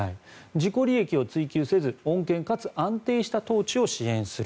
自己利益を追求せず穏健かつ安定した統治を支援する。